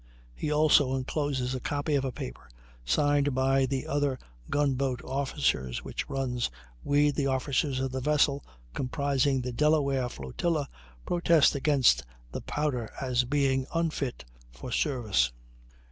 He also encloses a copy of a paper, signed by the other gun boat officers, which runs: "We, the officers of the vessels comprising the Delaware flotilla, protest against the powder as being unfit for service."